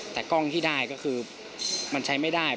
แต่กล้องที่ได้ก็คือมันใช้ไม่ได้